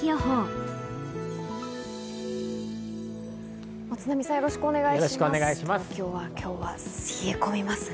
東京は今日は冷え込みますね。